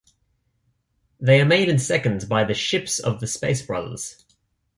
They are made in seconds by the 'ships' of the Space Brothers.